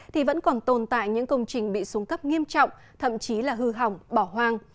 thì vẫn còn tồn tại những công trình bị xuống cấp nghiêm trọng thậm chí là hư hỏng bỏ hoang